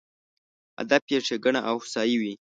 هدف یې ښېګڼه او هوسایي وي.